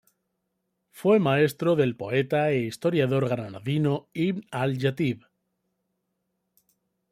Fue maestro del poeta e historiador granadino Ibn al-Jatib.